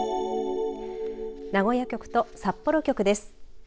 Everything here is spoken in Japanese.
名古屋局と札幌局です。